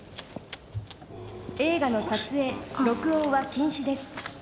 「映画の撮影録音は禁止です。